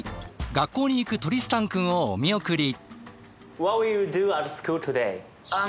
学校に行くトリスタンくんをお見送り。